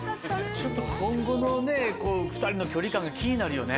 今後の２人の距離感が気になるよね。